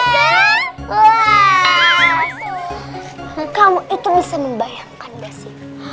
nah kamu itu bisa membayangkan gak sih